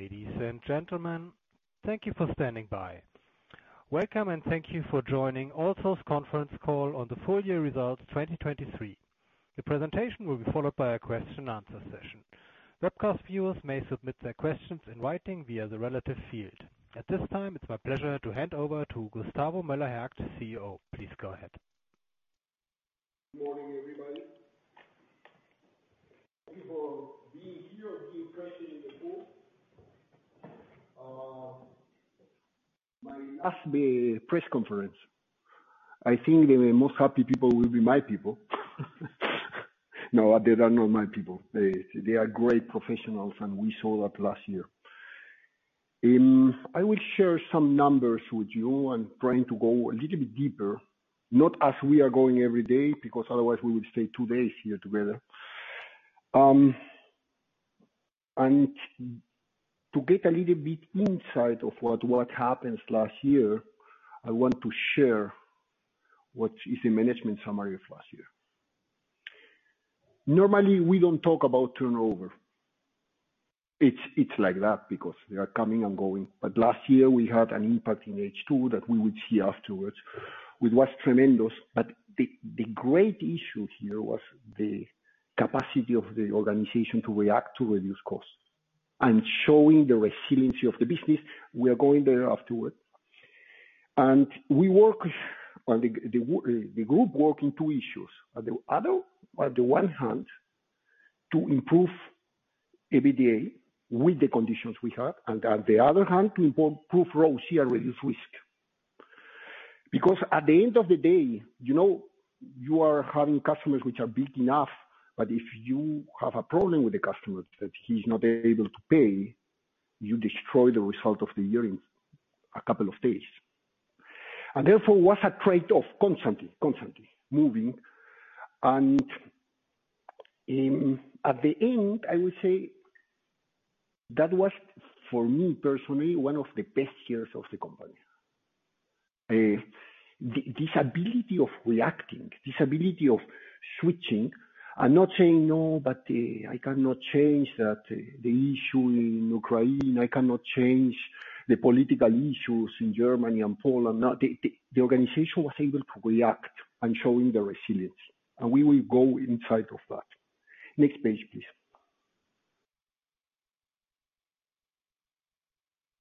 Ladies and gentlemen, thank you for standing by. Welcome, and thank you for joining ALSO's conference call on the full-year results 2023. The presentation will be followed by a question-and-answer session. Webcast viewers may submit their questions in writing via the relative field. At this time, it's my pleasure to hand over to Gustavo Möller-Hergt, CEO. Please go ahead. Good morning, everybody. Thank you for being here and being present in the hall. Last press conference. I think the most happy people will be my people. No, they are not my people. They are great professionals, and we saw that last year. I will share some numbers with you and trying to go a little bit deeper, not as we are going every day, because otherwise we would stay two days here together. To get a little bit insight of what happened last year, I want to share what is the management summary of last year. Normally, we don't talk about turnover. It's like that because they are coming and going. But last year, we had an impact in H2 that we would see afterwards, which was tremendous. But the great issue here was the capacity of the organization to react to reduced costs and showing the resiliency of the business. We are going there afterward. And we work on the group working two issues. On the one hand, to improve EBITDA with the conditions we have, and on the other hand, to improve ROCE at reduced risk. Because at the end of the day, you know, you are having customers which are big enough, but if you have a problem with the customer that he's not able to pay, you destroy the result of the year in a couple of days. And therefore, it was a trade-off constantly, constantly moving. And, at the end, I would say that was, for me personally, one of the best years of the company. This ability of reacting, this ability of switching, and not saying, "No, but, I cannot change that, the issue in Ukraine. I cannot change the political issues in Germany and Poland." No, the organization was able to react and showing the resiliency, and we will go inside of that. Next page, please.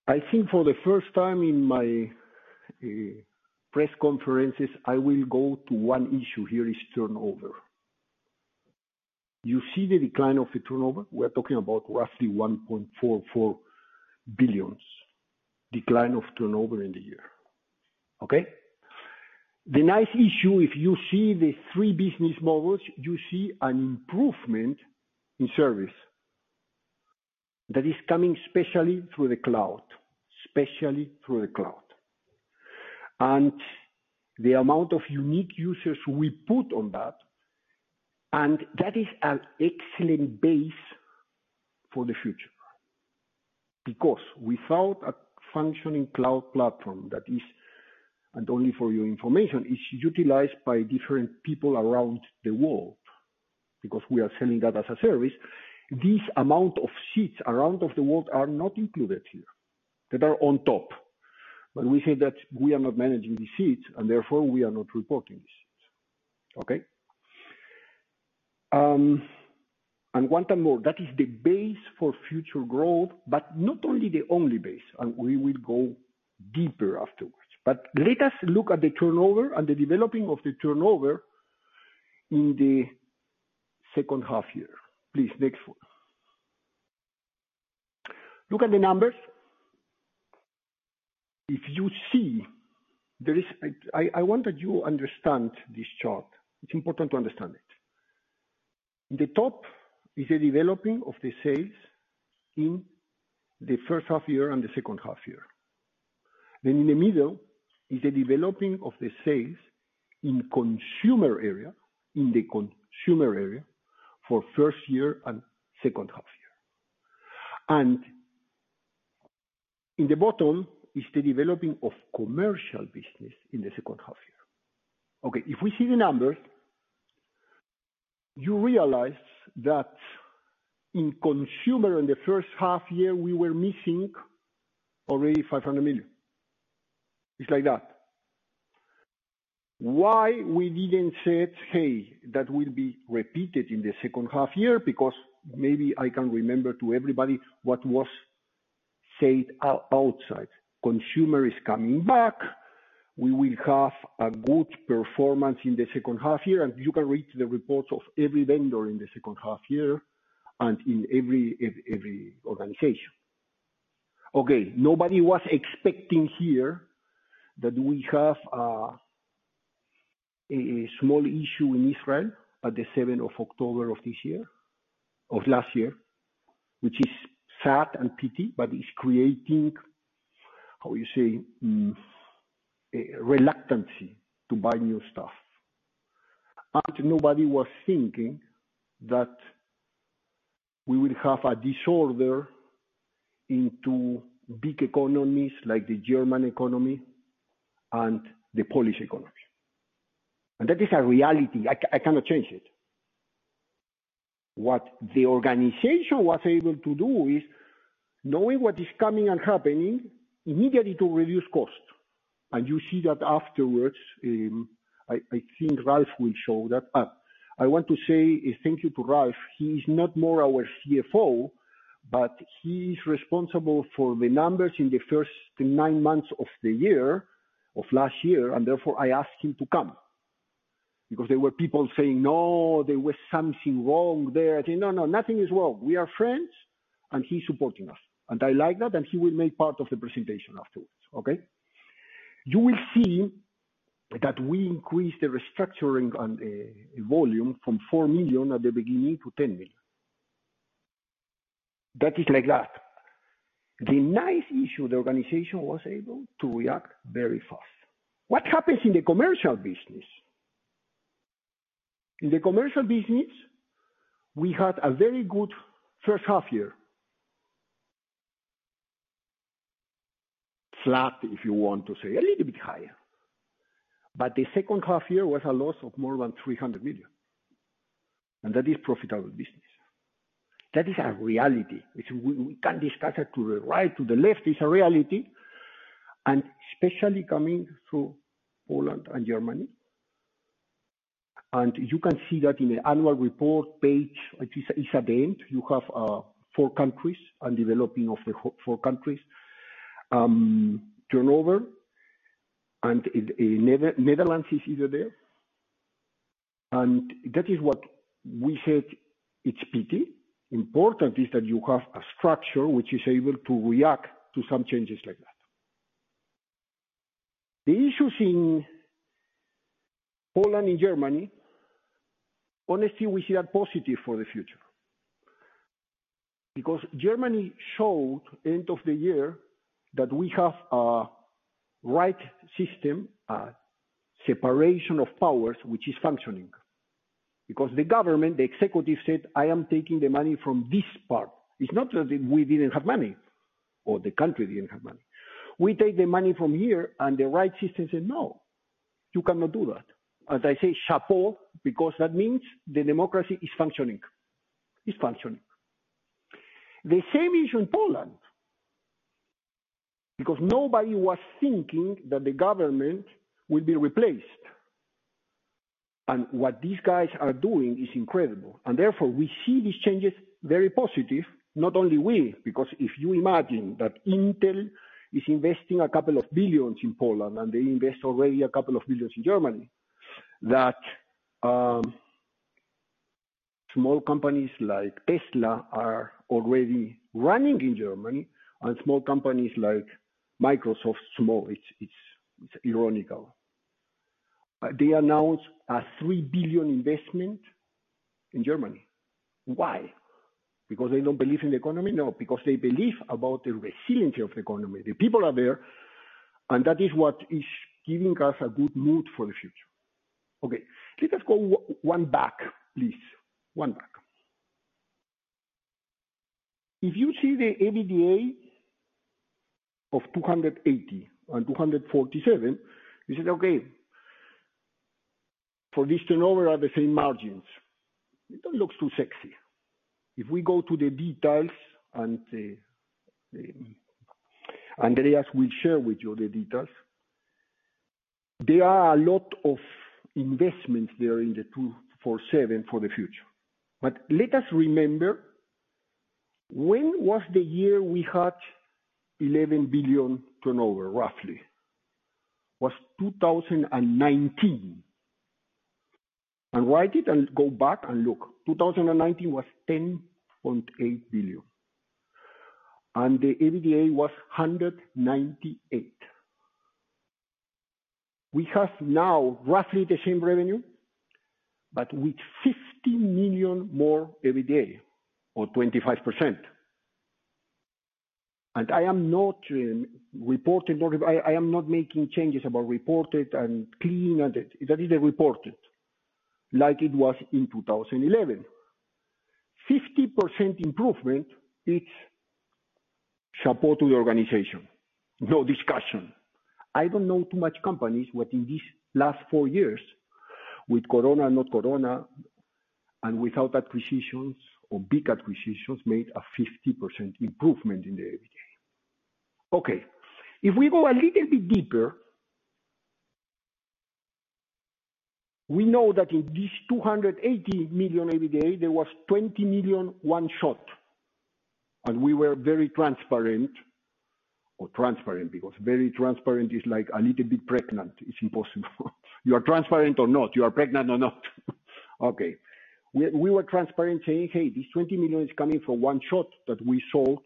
I think for the first time in my press conferences, I will go to one issue here, which is turnover. You see the decline of the turnover? We are talking about roughly 1.44 billion decline of turnover in the year. Okay? The nice issue, if you see the three business models, you see an improvement in service that is coming especially through the cloud, especially through the cloud. And the amount of unique users we put on that, and that is an excellent base for the future. Because without a functioning cloud platform that is—and only for your information—is utilized by different people around the world, because we are selling that as a service, this amount of seats around the world are not included here. They are on top. But we say that we are not managing these seats, and therefore, we are not reporting these seats. Okay? And one time more, that is the base for future growth, but not only the only base. And we will go deeper afterwards. But let us look at the turnover and the developing of the turnover in the second half year. Please, next one. Look at the numbers. If you see there is—I—I want that you understand this chart. It's important to understand it. The top is the developing of the sales in the first half year and the second half year. Then in the middle is the developing of the sales in consumer area, in the consumer area for first year and second half year. And in the bottom is the developing of commercial business in the second half year. Okay, if we see the numbers, you realize that in consumer in the first half year, we were missing already 500 million. It's like that. Why we didn't say, "Hey, that will be repeated in the second half year," because maybe I can remember to everybody what was said outside. Consumer is coming back. We will have a good performance in the second half year, and you can read the reports of every vendor in the second half year and in every every organization. Okay, nobody was expecting here that we have a small issue in Israel at the 7th of October of last year, which is sad and pity, but it's creating, how would you say, a reluctance to buy new stuff. Nobody was thinking that we would have a disorder into big economies like the German economy and the Polish economy. That is a reality. I cannot change it. What the organization was able to do is, knowing what is coming and happening, immediately to reduce costs. You see that afterwards. I think Ralf will show that. I want to say thank you to Ralf. He is no more our CFO, but he is responsible for the numbers in the first nine months of the year, of last year, and therefore, I asked him to come. Because there were people saying, "No, there was something wrong there." I said, "No, no, nothing is wrong. We are friends, and he's supporting us." And I like that, and he will make part of the presentation afterwards. Okay? You will see that we increased the restructuring and volume from 4 million at the beginning to 10 million. That is like that. The nice issue, the organization was able to react very fast. What happens in the commercial business? In the commercial business, we had a very good first half year. Flat, if you want to say, a little bit higher. But the second half year was a loss of more than 300 million. And that is profitable business. That is a reality. We can't discuss it to the right, to the left. It's a reality. And especially coming through Poland and Germany. You can see that in the annual report page, it's at the end. You have four countries and development of the four countries, turnover. And the Netherlands is either there. And that is what we said; it's a pity. Important is that you have a structure which is able to react to some changes like that. The issues in Poland and Germany, honestly, we see that positive for the future. Because Germany showed end of the year that we have a right system, a separation of powers, which is functioning. Because the government, the executive said, "I am taking the money from this part." It's not that we didn't have money or the country didn't have money. We take the money from here, and the right system said, "No, you cannot do that." As I say, chapeau, because that means the democracy is functioning. It's functioning. The same issue in Poland. Because nobody was thinking that the government would be replaced. What these guys are doing is incredible. Therefore, we see these changes very positive. Not only we, because if you imagine that Intel is investing 2 billion in Poland, and they invest already 2 billion in Germany, that small companies like Tesla are already running in Germany, and small companies like Microsoft - small, it's ironical. They announced a 3 billion investment in Germany. Why? Because they don't believe in the economy? No, because they believe about the resiliency of the economy. The people are there, and that is what is giving us a good mood for the future. Okay, let us go one back, please. One back. If you see the EBITDA of 280 million and 247 million, you said, "Okay, for this turnover, at the same margins, it don't look too sexy." If we go to the details, and Andreas will share with you the details, there are a lot of investments there in the 247 million for the future. But let us remember when was the year we had 11 billion turnover, roughly? Was 2019. And write it and go back and look. 2019 was 10.8 billion. And the EBITDA was 198 million. We have now roughly the same revenue, but with 50 million more EBITDA, or 25%. And I am not reporting—I am not making changes about reported and clean, and that is the reported, like it was in 2011. 50% improvement, it's chapeau to the organization. No discussion. I don't know too much companies what in these last four years, with Corona and not Corona, and without acquisitions or big acquisitions, made a 50% improvement in the EBITDA. Okay, if we go a little bit deeper, we know that in this 280 million EBITDA, there was 20 million one-shot. And we were very transparent, or transparent because very transparent is like a little bit pregnant. It's impossible. You are transparent or not. You are pregnant or not. Okay. We were transparent saying, "Hey, this 20 million is coming from one-shot that we sold,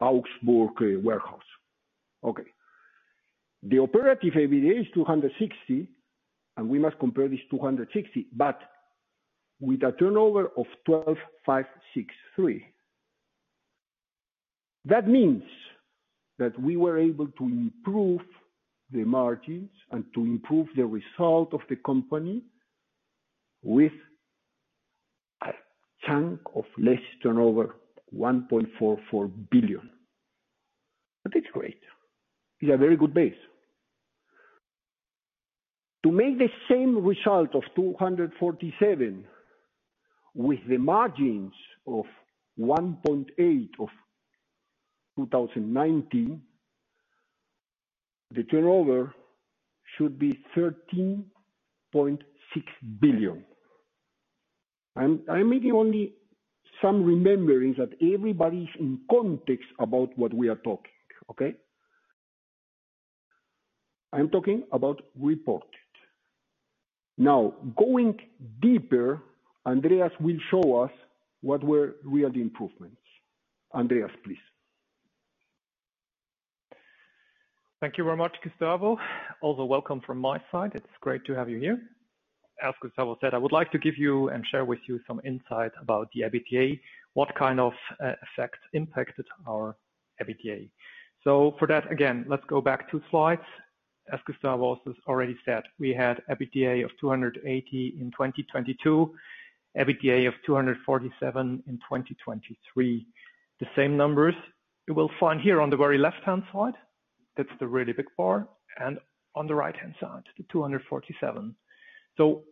Augsburg, warehouse." Okay. The operative EBITDA is 260 million, and we must compare this 260 million, but with a turnover of 12,563 million. That means that we were able to improve the margins and to improve the result of the company with a chunk of less turnover, 1.44 billion. And that's great. It's a very good base. To make the same result of 247 with the margins of 1.8% of 2019, the turnover should be 13.6 billion. I'm making only some reminders that everybody's in context about what we are talking. Okay? I'm talking about reported. Now, going deeper, Andreas will show us what the real improvements were. Andreas, please. Thank you very much, Gustavo. Also, welcome from my side. It's great to have you here. As Gustavo said, I would like to give you and share with you some insight about the EBITDA, what kind of effects impacted our EBITDA. So for that, again, let's go back 2 slides. As Gustavo also already said, we had EBITDA of 280 million in 2022, EBITDA of 247 million in 2023. The same numbers you will find here on the very left-hand side. That's the really big bar. And on the right-hand side, the 247. So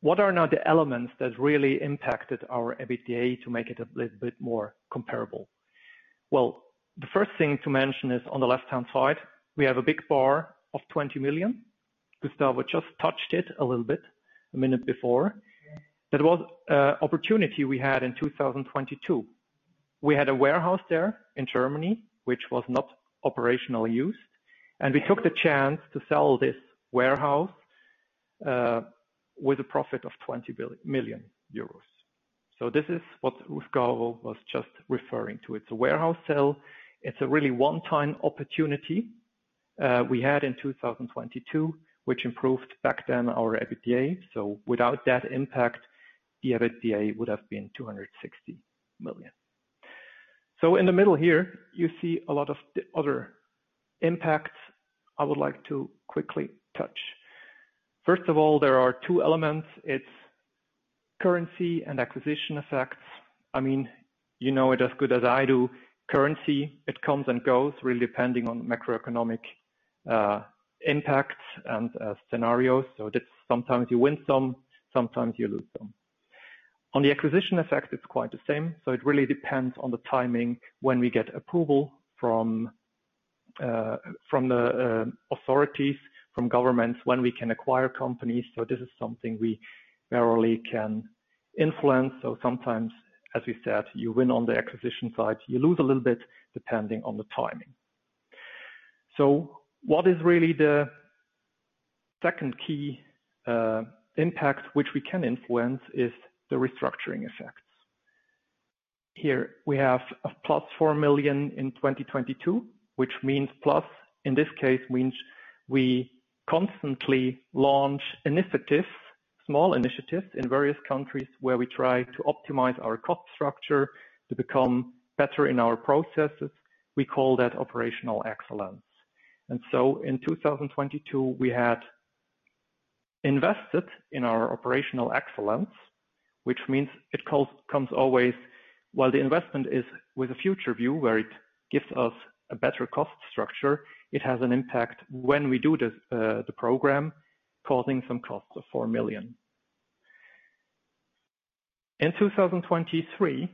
what are now the elements that really impacted our EBITDA to make it a little bit more comparable? Well, the first thing to mention is on the left-hand side, we have a big bar of 20 million. Gustavo just touched it a little bit a minute before. That was an opportunity we had in 2022. We had a warehouse there in Germany, which was not operationally used. And we took the chance to sell this warehouse, with a profit of 20 billion euros. So this is what Gustavo was just referring to. It's a warehouse sale. It's a really one-time opportunity, we had in 2022, which improved back then our EBITDA. So without that impact, the EBITDA would have been 260 million. So in the middle here, you see a lot of other impacts I would like to quickly touch. First of all, there are two elements. It's currency and acquisition effects. I mean, you know it as good as I do. Currency, it comes and goes, really depending on macroeconomic impacts and scenarios. So that's sometimes you win some, sometimes you lose some. On the acquisition effect, it's quite the same. So it really depends on the timing when we get approval from the authorities, from governments, when we can acquire companies. So this is something we rarely can influence. So sometimes, as we said, you win on the acquisition side, you lose a little bit depending on the timing. So what is really the second key impact which we can influence is the restructuring effects. Here, we have plus 4 million in 2022, which means plus in this case means we constantly launch initiatives, small initiatives in various countries where we try to optimize our cost structure to become better in our processes. We call that operational excellence. So in 2022, we had invested in our operational excellence, which means it comes always while the investment is with a future view where it gives us a better cost structure, it has an impact when we do the program, causing some costs of 4 million. In 2023,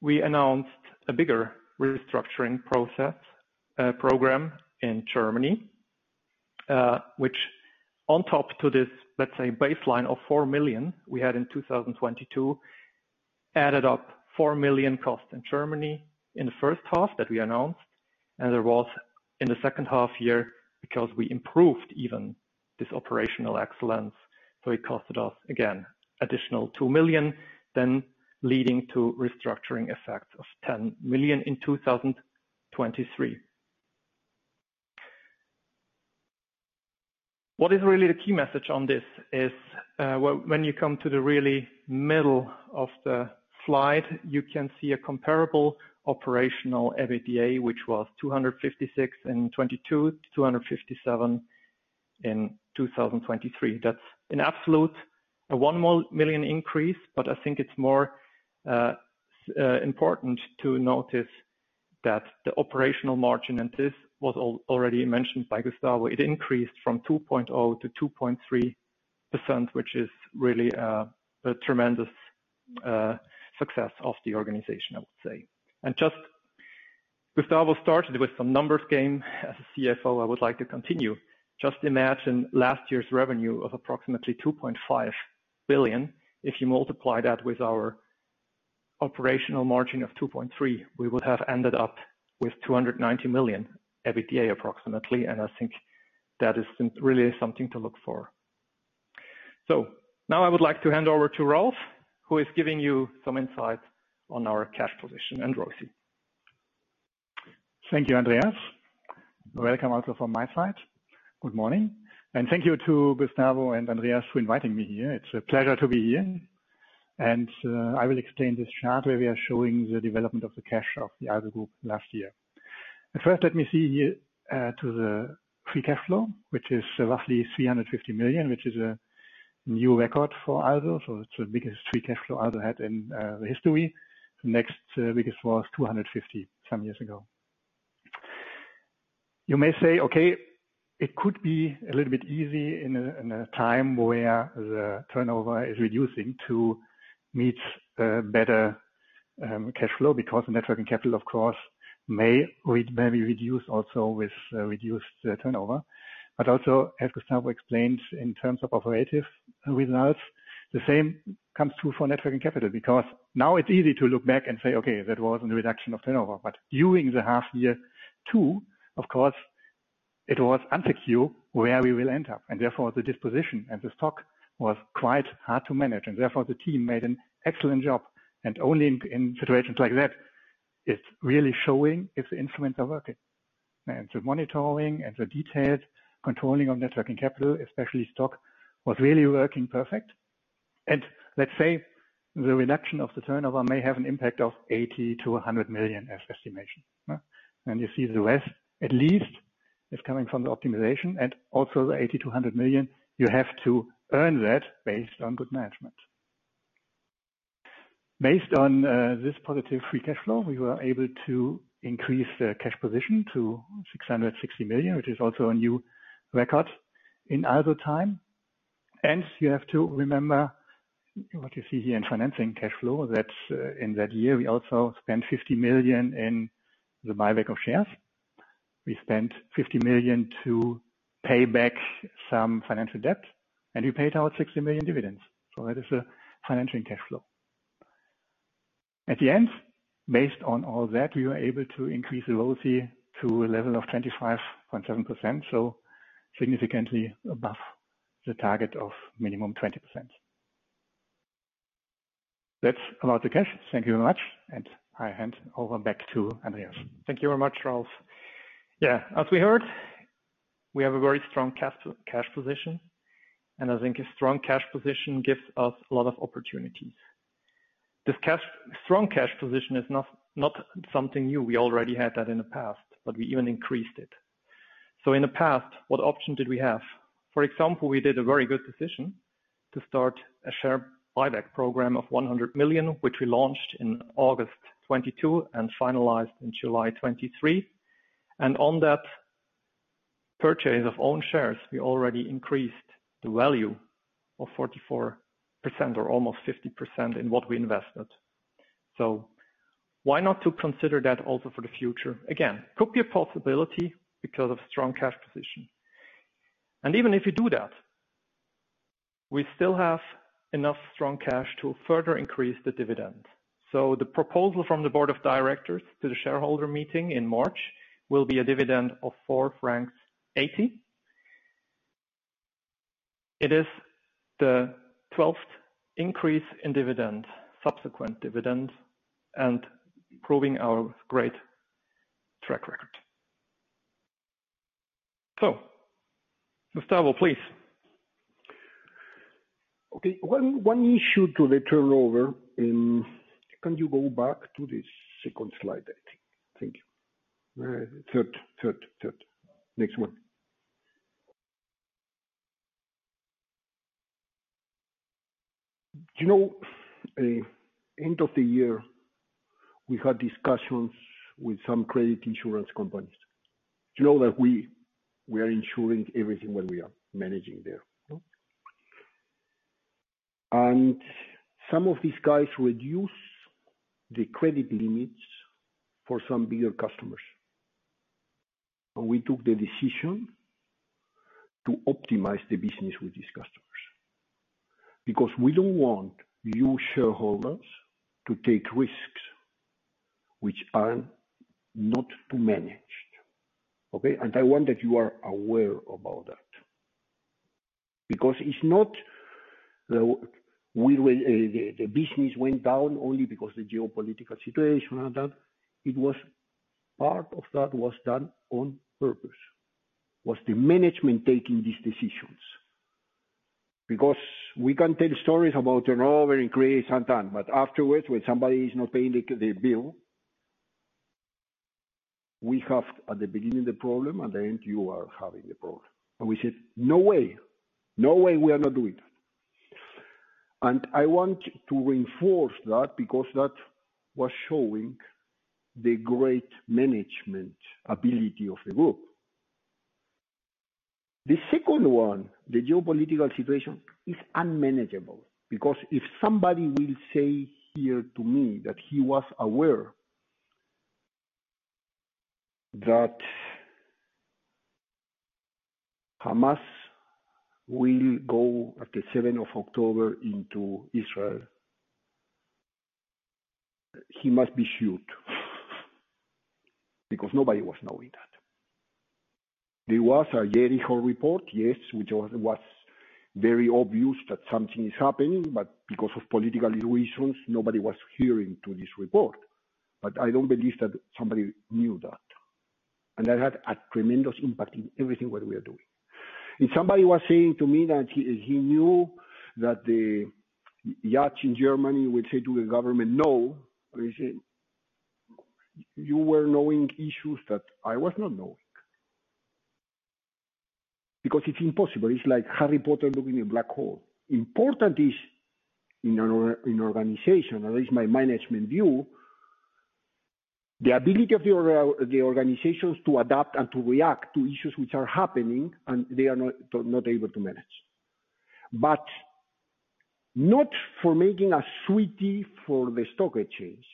we announced a bigger restructuring process program in Germany, which on top to this, let's say, baseline of 4 million we had in 2022, added up 4 million cost in Germany in the first half that we announced. And there was in the second half year because we improved even this operational excellence. So it costed us, again, additional 2 million, then leading to restructuring effects of 10 million in 2023. What is really the key message on this is, when you come to the really middle of the slide, you can see a comparable operational EBITDA, which was 256 in 2022, 257 in 2023. That's an absolute 1 million increase, but I think it's more important to notice that the operational margin, and this was already mentioned by Gustavo, it increased from 2.0%-2.3%, which is really a tremendous success of the organization, I would say. And just Gustavo started with some numbers game. As a CFO, I would like to continue. Just imagine last year's revenue of approximately 2.5 billion. If you multiply that with our operational margin of 2.3%, we would have ended up with 290 million EBITDA approximately. And I think that is really something to look for. So now I would like to hand over to Ralf, who is giving you some insight on our cash position. And ROCE. Thank you, Andreas. Welcome also from my side. Good morning. And thank you to Gustavo and Andreas for inviting me here. It's a pleasure to be here. And I will explain this chart where we are showing the development of the cash of the ALSO Group last year. At first, let me see here, to the free cash flow, which is roughly 350 million, which is a new record for ALSO. So it's the biggest free cash flow ALSO had in history. The next biggest was 250 million some years ago. You may say, "Okay, it could be a little bit easy in a time where the turnover is reducing to meet a better cash flow because the net working capital, of course, may be reduced also with reduced turnover." But also, as Gustavo explained in terms of operating results, the same comes true for net working capital because now it's easy to look back and say, "Okay, that was a reduction of turnover." But during the half year two, of course, it was uncertain where we will end up. And therefore, the disposition and the stock was quite hard to manage. And therefore, the team made an excellent job. And only in situations like that is really showing if the instruments are working. And the monitoring and the detailed controlling of net working capital, especially stock, was really working perfect. Let's say the reduction of the turnover may have an impact of 80 million-100 million as estimation. You see the rest, at least, is coming from the optimization. Also the 80 million-100 million, you have to earn that based on good management. Based on this positive free cash flow, we were able to increase the cash position to 660 million, which is also a new record in ALSO time. You have to remember what you see here in financing cash flow that in that year, we also spent 50 million in the buyback of shares. We spent 50 million to pay back some financial debt. We paid out 60 million dividends. So that is a financing cash flow. At the end, based on all that, we were able to increase the ROCE to a level of 25.7%, so significantly above the target of minimum 20%. That's about the cash. Thank you very much. I hand over back to Andreas. Thank you very much, Ralph. Yeah, as we heard, we have a very strong cash position. And I think a strong cash position gives us a lot of opportunities. This strong cash position is not something new. We already had that in the past, but we even increased it. In the past, what option did we have? For example, we did a very good decision to start a share buyback program of 100 million, which we launched in August 2022 and finalized in July 2023. On that purchase of own shares, we already increased the value of 44% or almost 50% in what we invested. So why not consider that also for the future? Again, could be a possibility because of strong cash position. Even if you do that, we still have enough strong cash to further increase the dividend. So the proposal from the board of directors to the shareholder meeting in March will be a dividend of 4.80 francs. It is the 12th increase in dividend, subsequent dividend, and proving our great track record. So Gustavo, please. Okay, one issue to the turnover. Can you go back to the second slide, I think? Thank you. Third, third, third. Next one. Do you know at the end of the year, we had discussions with some credit insurance companies? Do you know that we are insuring everything when we are managing there? And some of these guys reduce the credit limits for some bigger customers. We took the decision to optimize the business with these customers because we don't want you shareholders to take risks which are not too managed. Okay? I want that you are aware about that because it's not the business went down only because of the geopolitical situation and that. It was part of that was done on purpose. It was the management taking these decisions. Because we can tell stories about turnover increase and time, but afterwards, when somebody is not paying the bill, we have at the beginning the problem, at the end, you are having the problem. We said, "No way. No way we are not doing that." I want to reinforce that because that was showing the great management ability of the group. The second one, the geopolitical situation, is unmanageable because if somebody will say here to me that he was aware that Hamas will go at the 7th of October into Israel, he must be shot because nobody was knowing that. There was a Jericho report, yes, which was very obvious that something is happening, but because of political reasons, nobody was hearing to this report. But I don't believe that somebody knew that. And that had a tremendous impact in everything what we are doing. If somebody was saying to me that he knew that the Judges in Germany will say to the government, "No," he said, "You were knowing issues that I was not knowing." Because it's impossible. It's like Harry Potter looking in a black hole. Important is in an organization, at least my management view, the ability of the organizations to adapt and to react to issues which are happening and they are not able to manage. But not for making a sweetie for the stock exchange,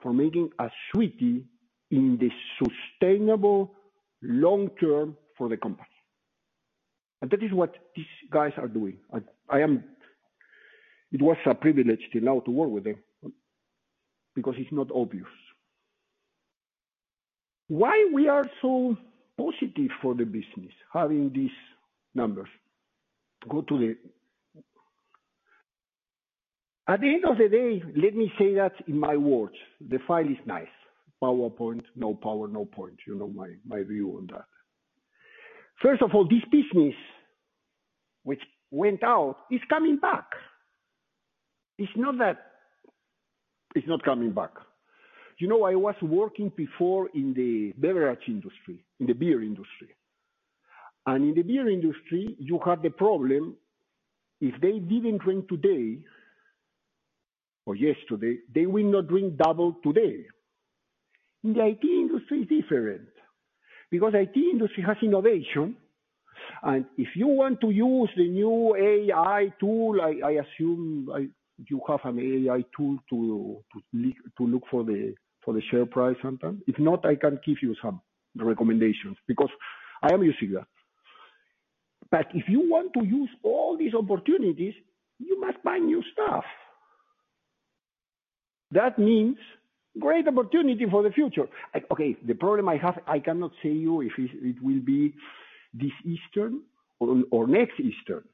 for making a sweetie in the sustainable long term for the company. And that is what these guys are doing. It was a privilege till now to work with them because it's not obvious. Why we are so positive for the business having these numbers? At the end of the day, let me say that in my words, the foil is nice. PowerPoint, no power, no point. You know my view on that. First of all, this business which went out is coming back. It's not that it's not coming back. You know I was working before in the beverage industry, in the beer industry. In the beer industry, you had the problem if they didn't drink today or yesterday, they will not drink double today. In the IT industry, it's different because the IT industry has innovation. If you want to use the new AI tool, I assume you have an AI tool to look for the share price sometimes. If not, I can give you some recommendations because I am using that. But if you want to use all these opportunities, you must buy new stuff. That means great opportunity for the future. Okay, the problem I have, I cannot say to you if it will be this quarter or next quarter.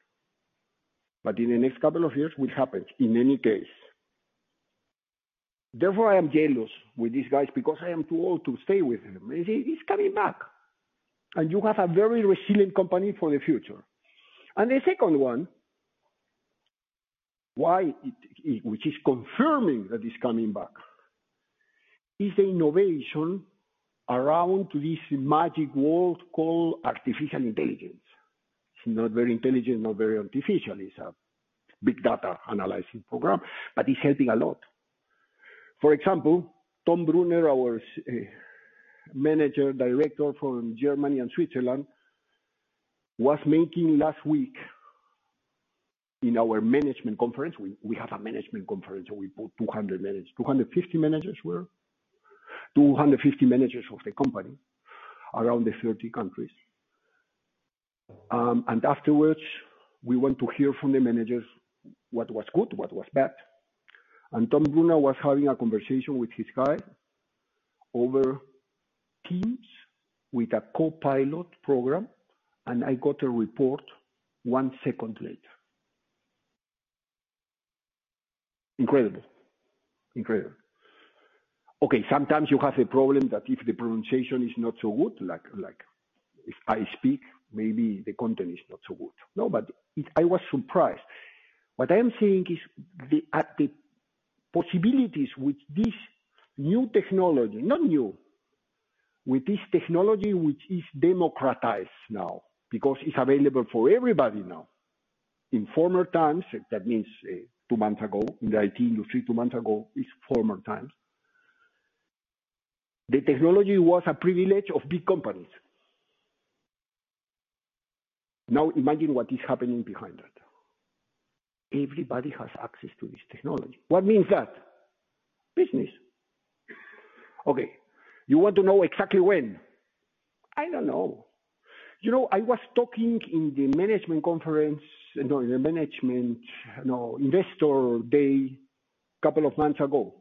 But in the next couple of years, it will happen in any case. Therefore, I am jealous with these guys because I am too old to stay with them. It's coming back. You have a very resilient company for the future. The second one, why it which is confirming that it's coming back, is the innovation around this magic world called artificial intelligence. It's not very intelligent, not very artificial. It's a big data analyzing program, but it's helping a lot. For example, Tom Brunner, our manager director from Germany and Switzerland, was making last week in our management conference. We have a management conference, and we put 250 managers of the company around the 30 countries. And afterwards, we went to hear from the managers what was good, what was bad. And Tom Brunner was having a conversation with his guy over Teams with a Copilot program. And I got a report 1 second later. Incredible. Incredible. Okay, sometimes you have a problem that if the pronunciation is not so good, like if I speak, maybe the content is not so good. No, but I was surprised. What I am saying is the possibilities with this new technology not new. With this technology which is democratized now because it's available for everybody now. In former times, that means two months ago in the IT industry, two months ago, it's former times. The technology was a privilege of big companies. Now imagine what is happening behind that. Everybody has access to this technology. What means that? Business. Okay. You want to know exactly when? I don't know. You know I was talking in the management conference no, in the management investor day a couple of months ago.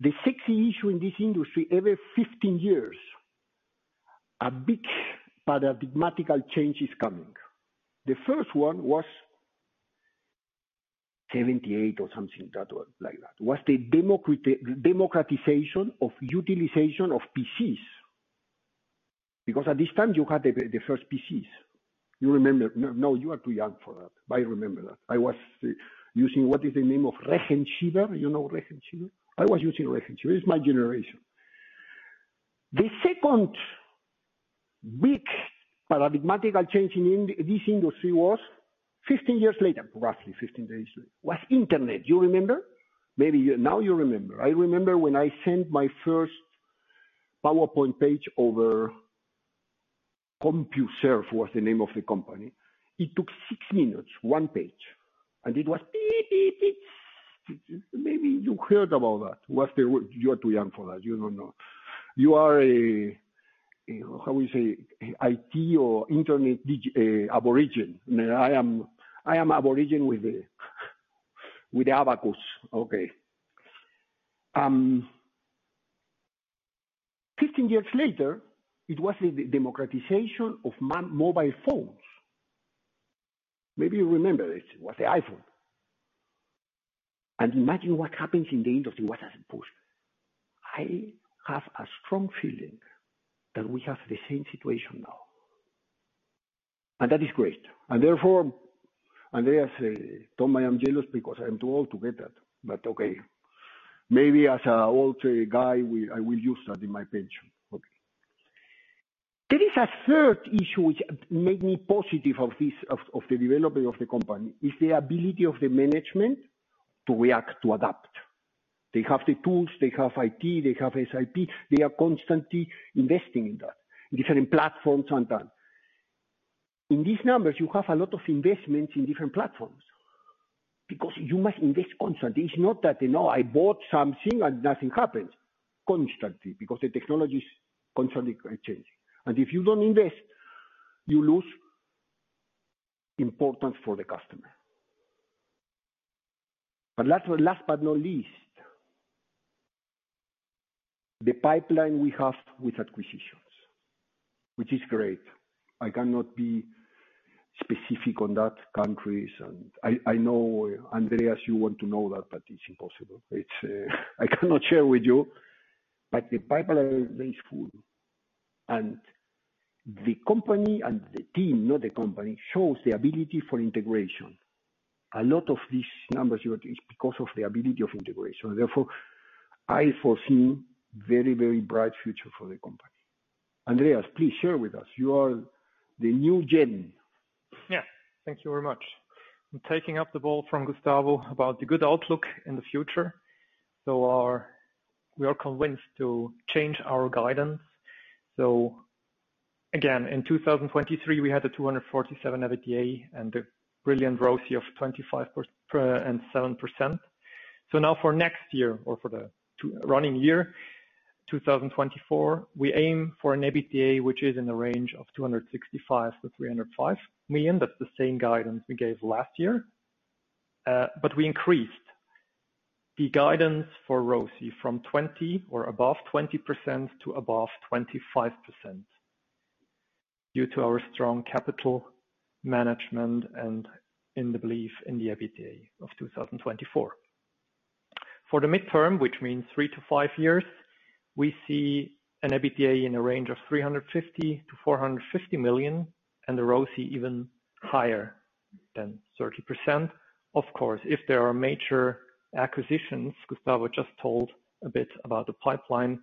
The sexy issue in this industry, every 15 years, a big paradigmatic change is coming. The first one was 1978 or something like that was the democratization of utilization of PCs. Because at this time, you had the first PCs. You remember? No, you are too young for that. But I remember that. I was using what is the name of Rechenschieber? You know Rechenschieber? I was using Rechenschieber. It's my generation. The second big paradigmatic change in this industry was 15 years later, roughly 15 years later, was Internet. You remember? Maybe now you remember. I remember when I sent my first PowerPoint page over CompuServe was the name of the company. It took 6 minutes, 1 page. And it was peep, peep, peep. Maybe you heard about that. You are too young for that. You don't know. You are a how do we say? IT or Internet aborigine. I am aborigine with the abacus. Okay. 15 years later, it was the democratization of mobile phones. Maybe you remember it. It was the iPhone. And imagine what happens in the industry. What has it pushed? I have a strong feeling that we have the same situation now. And that is great. And therefore, Andreas, Tom, I am jealous because I am too old to get that. But okay. Maybe as an old guy, I will use that in my pension. Okay. There is a third issue which made me positive of the development of the company is the ability of the management to react, to adapt. They have the tools. They have IT. They have SAP. They are constantly investing in that, in different platforms sometimes. In these numbers, you have a lot of investments in different platforms because you must invest constantly. It's not that I bought something and nothing happens. Constantly, because the technology is constantly changing. And if you don't invest, you lose importance for the customer. But last but not least, the pipeline we have with acquisitions, which is great. I cannot be specific on those countries. And I know, Andreas, you want to know that, but it's impossible. I cannot share with you. But the pipeline is full. And the company and the team, not the company, shows the ability for integration. A lot of these numbers you got is because of the ability of integration. Therefore, I foresee a very, very bright future for the company. Andreas, please share with us. You are the new gen. Yeah. Thank you very much. I'm taking up the ball from Gustavo about the good outlook in the future. So we are convinced to change our guidance. So again, in 2023, we had a 247 million EBITDA and the brilliant ROCE of 25% and 7%. So now for next year or for the running year, 2024, we aim for an EBITDA which is in the range of 265 million-305 million. That's the same guidance we gave last year. But we increased the guidance for ROCE from 20% or above 20% to above 25% due to our strong capital management and in the belief in the EBITDA of 2024. For the midterm, which means three to five years, we see an EBITDA in the range of 350 million-450 million and the ROCE even higher than 30%. Of course, if there are major acquisitions, Gustavo just told a bit about the pipeline,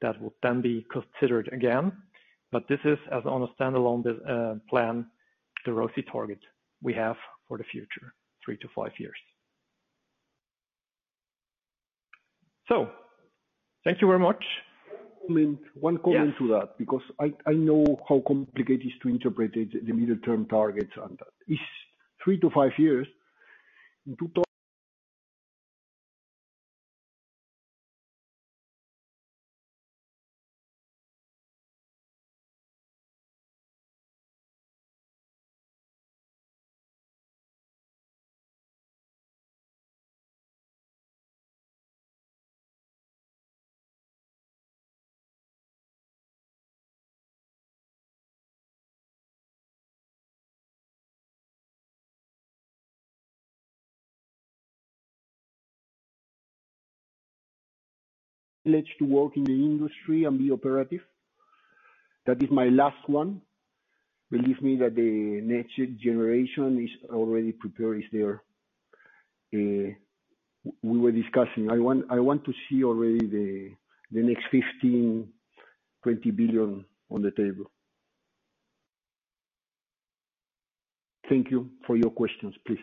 that will then be considered again. But this is, as on a standalone plan, the ROCE target we have for the future, three to five years. So thank you very much. One comment to that because I know how complicated it is to interpret the middle-term targets and that. It's three to five years. I'm privileged to work in the industry and be operative. That is my last one. Believe me that the next generation is already prepared, is there. We were discussing. I want to see already the next 15 billion, 20 billion on the table. Thank you for your questions, please.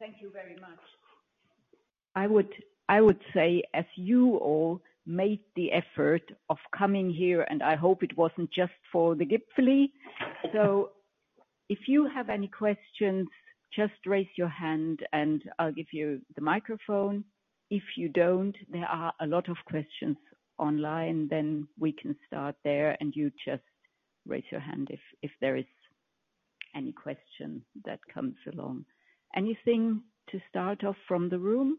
Thank you very much. I would say as you all made the effort of coming here, and I hope it wasn't just for the Gipfeli. So if you have any questions, just raise your hand and I'll give you the microphone. If you don't, there are a lot of questions online, then we can start there and you just raise your hand if there is any question that comes along. Anything to start off from the room?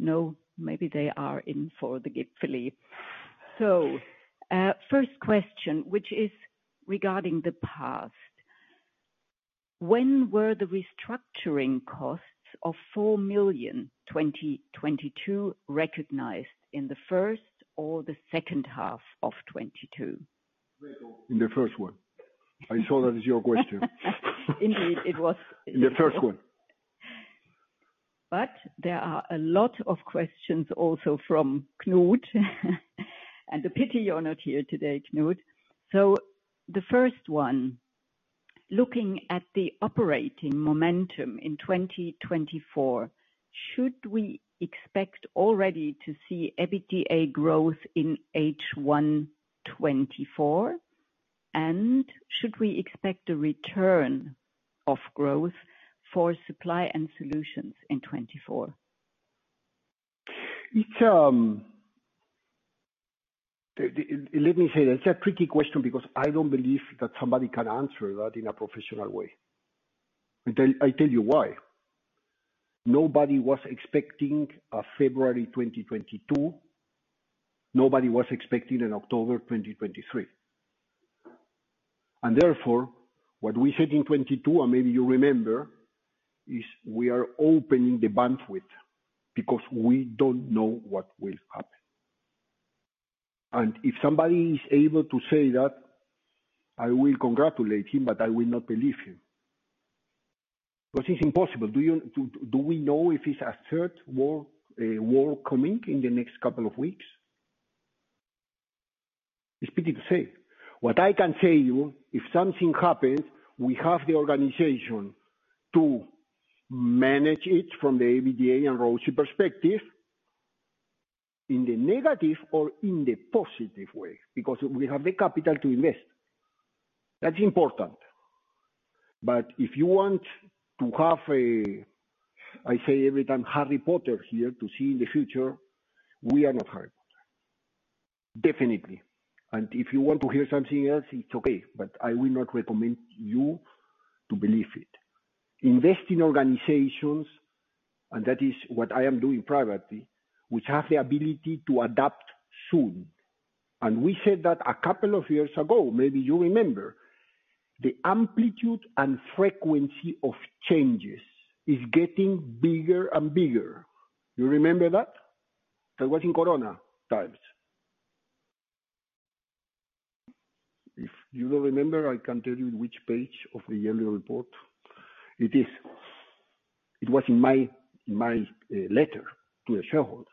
No, maybe they are in for the Gipfeli. So first question, which is regarding the past. When were the restructuring costs of 4 million in 2022 recognized in the first or the second half of 2022? In the first one. I saw that as your question. Indeed, it was. In the first one. But there are a lot of questions also from Knut. And a pity you're not here today, Knut. So the first one, looking at the operating momentum in 2024, should we expect already to see EBITDA growth in H1 2024? And should we expect a return of growth for supply and solutions in 2024? Let me say that. It's a tricky question because I don't believe that somebody can answer that in a professional way. And I tell you why. Nobody was expecting a February 2022. Nobody was expecting an October 2023. Therefore, what we said in 2022, and maybe you remember, is we are opening the bandwidth because we don't know what will happen. If somebody is able to say that, I will congratulate him, but I will not believe him because it's impossible. Do we know if it's a third war coming in the next couple of weeks? It's a pity to say. What I can say to you, if something happens, we have the organization to manage it from the EBITDA and ROCE perspective in the negative or in the positive way because we have the capital to invest. That's important. But if you want to have a, I say every time, Harry Potter here to see in the future, we are not Harry Potter. Definitely. If you want to hear something else, it's okay. But I will not recommend you to believe it. Invest in organizations and that is what I am doing privately, which have the ability to adapt soon. We said that a couple of years ago. Maybe you remember. The amplitude and frequency of changes is getting bigger and bigger. You remember that? That was in Corona times. If you don't remember, I can tell you which page of the yearly report. It was in my letter to the shareholders.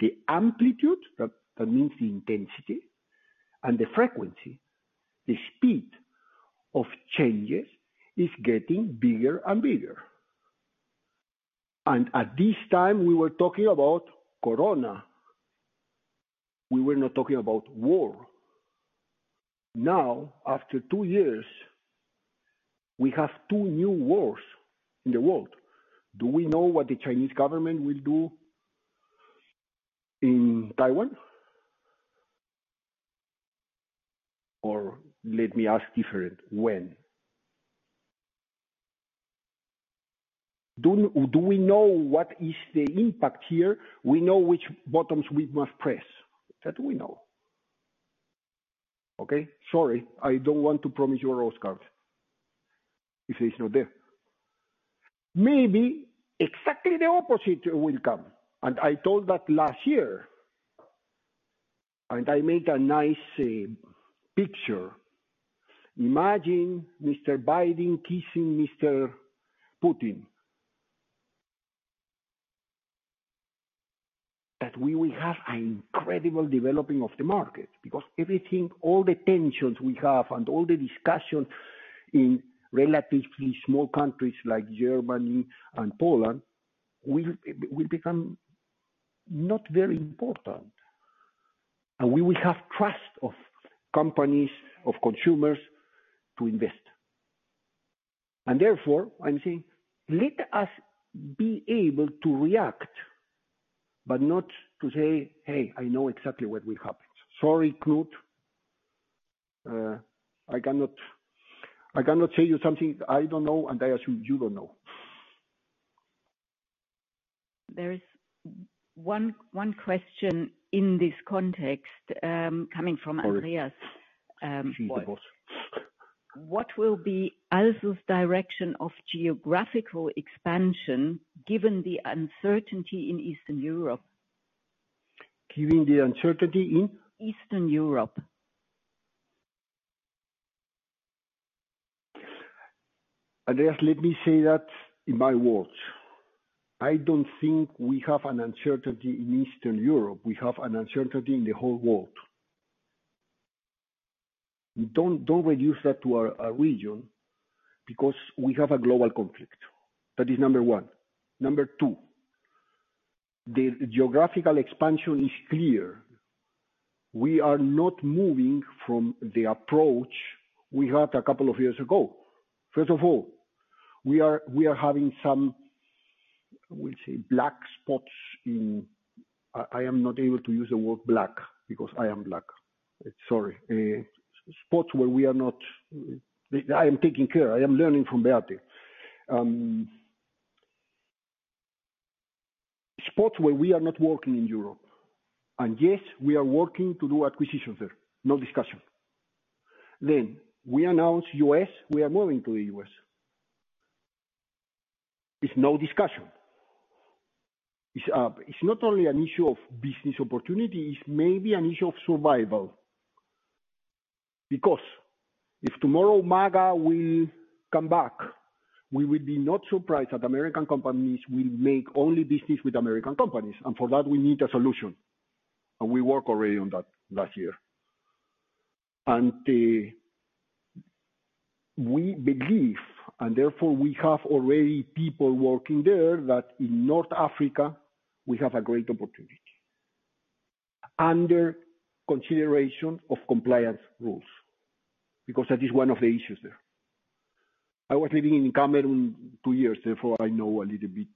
The amplitude that means the intensity and the frequency, the speed of changes is getting bigger and bigger. At this time, we were talking about Corona. We were not talking about war. Now, after two years, we have two new wars in the world. Do we know what the Chinese government will do in Taiwan? Or let me ask different. When? Do we know what is the impact here? We know which buttons we must press. That do we know. Okay? Sorry. I don't want to promise you a Oscar if it's not there. Maybe exactly the opposite will come. I told that last year. I made a nice picture. Imagine Mr. Biden kissing Mr. Putin. That we will have an incredible developing of the market because everything, all the tensions we have and all the discussions in relatively small countries like Germany and Poland will become not very important. We will have trust of companies, of consumers to invest. Therefore, I'm saying, let us be able to react but not to say, "Hey, I know exactly what will happen." Sorry, Knut. I cannot say you something I don't know and I assume you don't know. There is one question in this context coming from Andreas. She's the boss. What will be ALSO's direction of geographical expansion given the uncertainty in Eastern Europe? Andreas, let me say that in my words. I don't think we have an uncertainty in Eastern Europe. We have an uncertainty in the whole world. Don't reduce that to a region because we have a global conflict. That is number 1. Number 2, the geographical expansion is clear. We are not moving from the approach we had a couple of years ago. First of all, we are having some, we'll say, black spots in. I am not able to use the word black because I am black. Sorry. Spots where we are not working in Europe. And yes, we are working to do acquisitions there. No discussion. Then we announce U.S., we are moving to the U.S. It's no discussion. It's not only an issue of business opportunity. It's maybe an issue of survival. Because if tomorrow MAGA will come back, we will be not surprised that American companies will make only business with American companies. And for that, we need a solution. And we worked already on that last year. And we believe and therefore, we have already people working there that in North Africa, we have a great opportunity under consideration of compliance rules because that is one of the issues there. I was living in Cameroon two years. Therefore, I know a little bit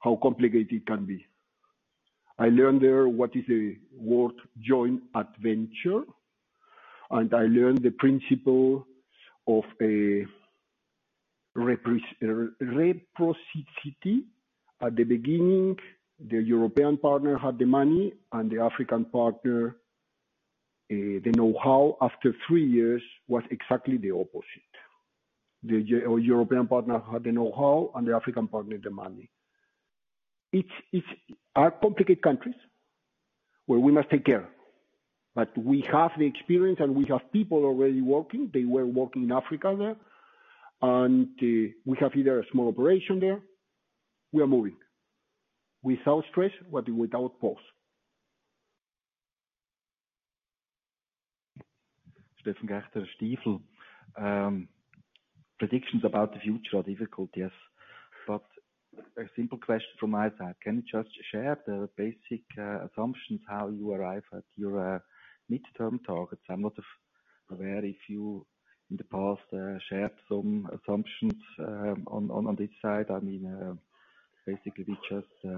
how complicated it can be. I learned there what is the word joint venture. And I learned the principle of reciprocity. At the beginning, the European partner had the money and the African partner the know-how. After three years, it was exactly the opposite. The European partner had the know-how and the African partner the money. It's complicated countries where we must take care. But we have the experience and we have people already working. They were working in Africa there. And we have either a small operation there. We are moving without stress, but without pause. Stefan Gächter, Stifel. Predictions about the future are difficult, yes. But a simple question from my side. Can you just share the basic assumptions, how you arrive at your mid-term targets? I'm not aware if you in the past shared some assumptions on this side. I mean, basically, we just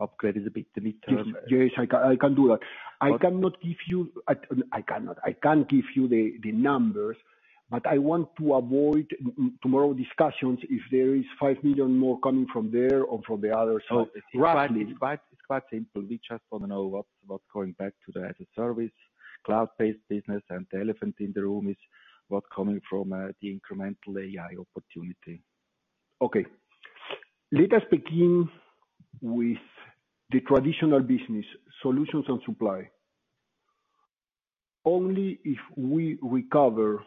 upgraded a bit the mid-term. Yes, I can do that. I cannot give you I cannot. I can give you the numbers. But I want to avoid tomorrow discussions if there is 5 million more coming from there or from the other. So roughly. It's quite simple. We just want to know what's going back to the as a service, cloud-based business. And the elephant in the room is what's coming from the incremental AI opportunity. Okay. Let us begin with the traditional business, solutions and supply. Only if we recover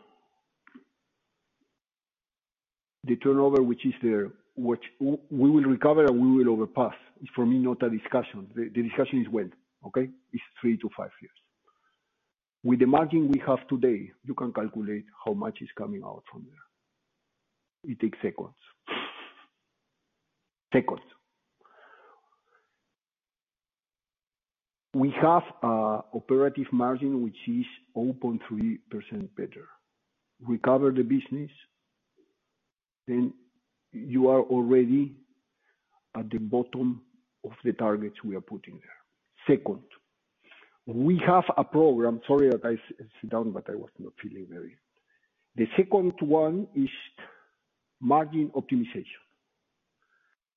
the turnover which is there, we will recover and we will overpass. It's for me not a discussion. The discussion is when, okay? It's 3-5 years. With the margin we have today, you can calculate how much is coming out from there. It takes seconds. Seconds. We have an operative margin which is 0.3% better. Recover the business, then you are already at the bottom of the targets we are putting there. Second. We have a program. Sorry that I sat down, but I was not feeling very well. The second one is margin optimization.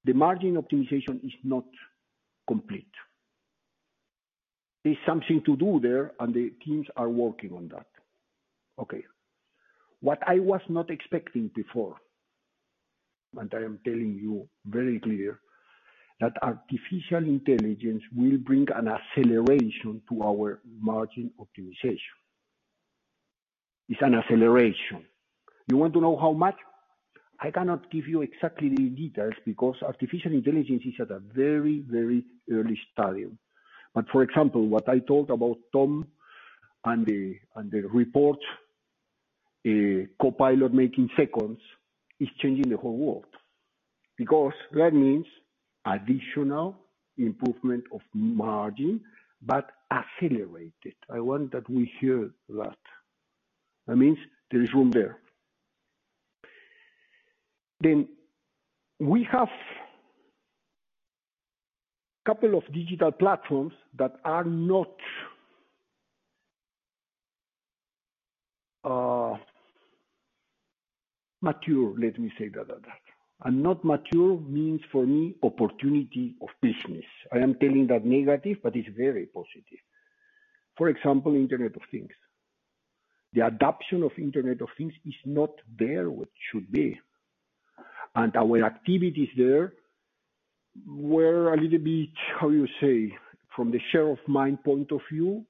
The margin optimization is not complete. There's something to do there and the teams are working on that. Okay. What I was not expecting before, and I am telling you very clearly, that artificial intelligence will bring an acceleration to our margin optimization. It's an acceleration. You want to know how much? I cannot give you exactly the details because artificial intelligence is at a very, very early stage. But for example, what I told about Tom and the report, Copilot making seconds, is changing the whole world because that means additional improvement of margin but accelerated. I want that we hear that. That means there is room there. Then we have a couple of digital platforms that are not mature. Let me say that. And not mature means for me opportunity of business. I am telling that negative, but it's very positive. For example, Internet of Things. The adoption of Internet of Things is not there where it should be. And our activities there were a little bit, how do you say, from the share of mind point of view,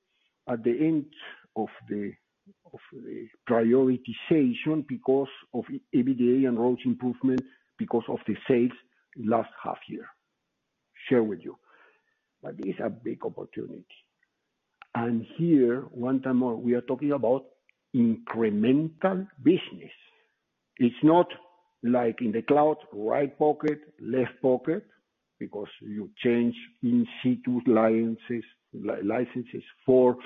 at the end of the prioritization because of EBITDA and ROCE improvement because of the sales last half year. Share with you. But it's a big opportunity. And here, one time more, we are talking about incremental business. It's not like in the cloud, right pocket, left pocket because you change in-situ licenses for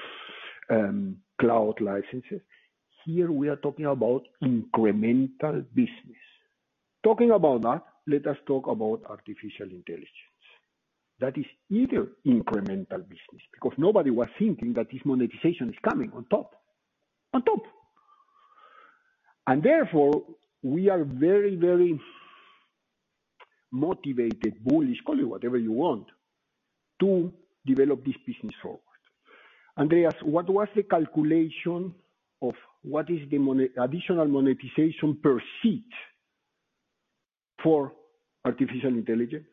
cloud licenses. Here, we are talking about incremental business. Talking about that, let us talk about artificial intelligence. That is either incremental business because nobody was thinking that this monetization is coming on top. On top. And therefore, we are very, very motivated, bullish, call it whatever you want, to develop this business forward. Andreas, what was the calculation of what is the additional monetization per seat for artificial intelligence?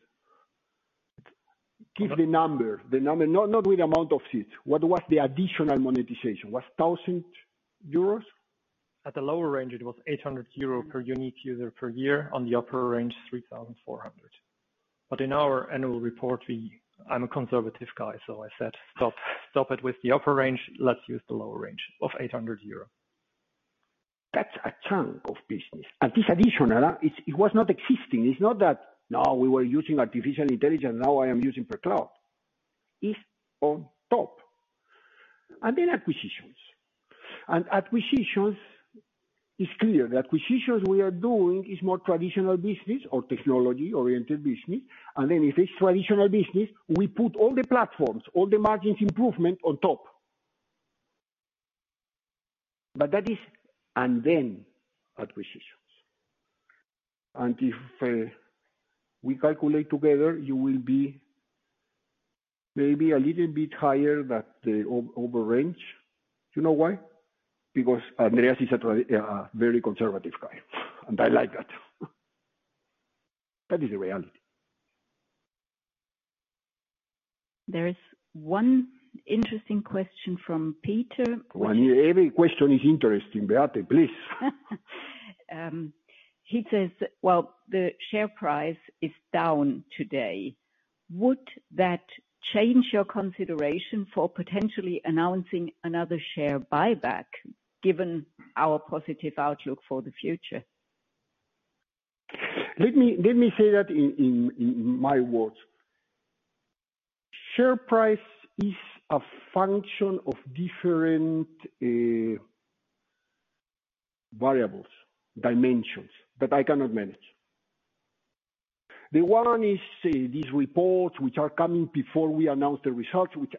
Give the number. The number. Not with amount of seats. What was the additional monetization? Was it 1,000 euros? At the lower range, it was 800 euro per unique user per year. On the upper range, 3,400. But in our annual report, I'm a conservative guy, so I said, "Stop it with the upper range. Let's use the lower range of 800 euro." That's a chunk of business. And this additional, it was not existing. It's not that, "No, we were using artificial intelligence. Now I am using per cloud." It's on top. And then acquisitions. And acquisitions, it's clear that acquisitions we are doing is more traditional business or technology-oriented business. And then if it's traditional business, we put all the platforms, all the margins improvement on top. But that is and then acquisitions. And if we calculate together, you will be maybe a little bit higher than the over range. You know why? Because Andreas is a very conservative guy. And I like that. That is the reality. There is one interesting question from Peter. Every question is interesting, Beate. Please. He says, "Well, the share price is down today. Would that change your consideration for potentially announcing another share buyback given our positive outlook for the future?" Let me say that in my words. Share price is a function of different variables, dimensions that I cannot manage. The one is these reports which are coming before we announce the results, which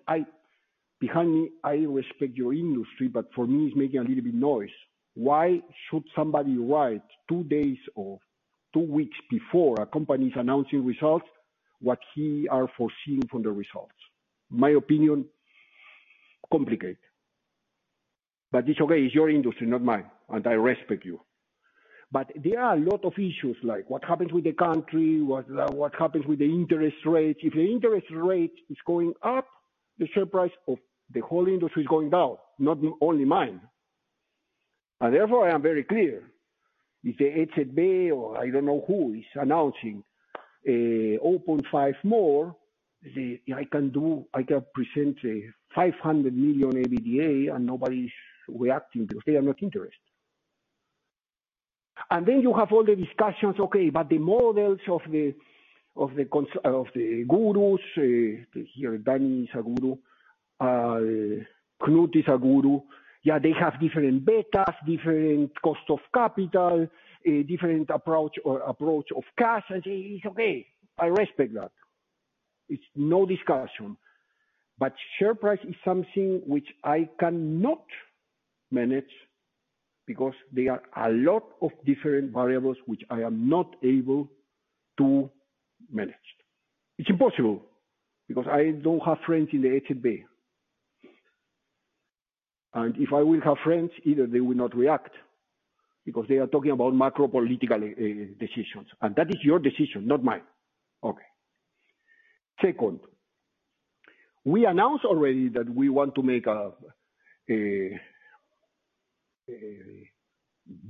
behind me, I respect your industry, but for me, it's making a little bit noise. Why should somebody write 2 days or 2 weeks before a company is announcing results what he is foreseeing from the results? My opinion, complicated. But it's okay. It's your industry, not mine. And I respect you. But there are a lot of issues like what happens with the country, what happens with the interest rate. If the interest rate is going up, the share price of the whole industry is going down, not only mine. And therefore, I am very clear. If the ECB or I don't know who is announcing 0.5 more, I can present 500 million EBITDA and nobody is reacting because they are not interested. And then you have all the discussions, "Okay, but the models of the gurus," here, Danny is a guru. Knut is a guru. Yeah, they have different betas, different cost of capital, different approach of cash. And it's okay. I respect that. It's no discussion. But share price is something which I cannot manage because there are a lot of different variables which I am not able to manage. It's impossible because I don't have friends in the ECB. And if I will have friends, either they will not react because they are talking about macro political decisions. And that is your decision, not mine. Okay. Second, we announced already that we want to make a